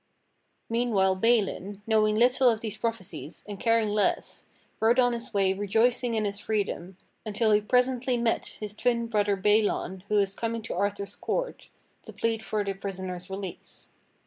Meanwhile Balin, knowing little of these prophecies and caring less, rode on his way rejoicing in his freedom, until he presently met his twin brother Balan who was coming to Arthur's court to plead for the prisoner's release.